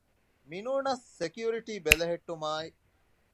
މިނޫނަސް ސެކިއުރިޓީ ބެލެހެއްޓުމާއި